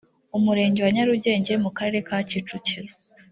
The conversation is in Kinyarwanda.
umurenge wa nyarugenge mu karere ka kicukiro